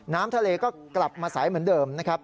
น้ำทะเลก็กลับมาใสเหมือนเดิมนะครับ